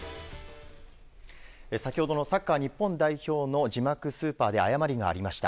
先ほどのサッカー日本代表の字幕スーパーで誤りがありました。